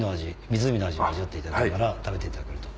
湖の味を味わっていただきながら食べていただけると。